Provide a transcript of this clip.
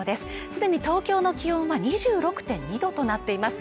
すでに東京の気温は２６．２度となっています